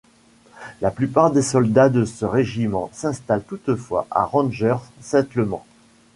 La plupart des soldats de ce régiment s'installent toutefois à Ranger Settlement.